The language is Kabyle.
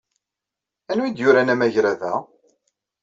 Anwa ay d-yuran amagrad-a?